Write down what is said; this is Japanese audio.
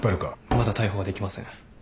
まだ逮捕はできません。